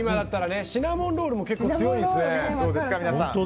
シナモンロールも結構強いんですね。